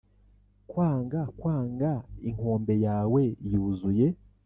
kwanga kwanga inkombe yawe yuzuye.